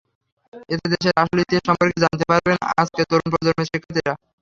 এতে দেশের আসল ইতিহাস সম্পর্কে জানতে পারবেন আজকের তরুণ প্রজন্মের শিক্ষার্থীরা।